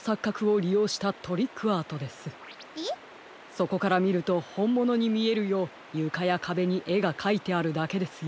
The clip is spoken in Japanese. そこからみるとほんものにみえるようゆかやかべにえがかいてあるだけですよ。